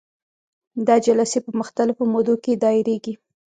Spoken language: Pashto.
دا جلسې په مختلفو مودو کې دایریږي.